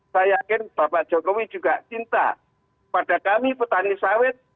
saya yakin bapak jokowi juga cinta pada kami petani sawit